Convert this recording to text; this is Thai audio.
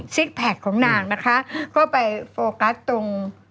แพคของนางนะคะก็ไปโฟกัสตรง